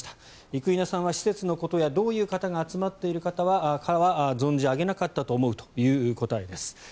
生稲さんは施設のことやどういう方が集まっているかは存じ上げなかったと思うという答えです。